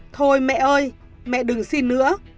thôi mẹ ơi mẹ đừng xin nữa